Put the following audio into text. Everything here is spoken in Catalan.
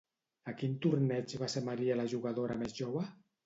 A quin torneig va ser Maria la jugadora més jove?